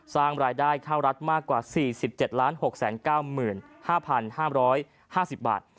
สร้างรายได้เข้ารัฐมากกว่า๔๗๖๙๕๕๕๐บาท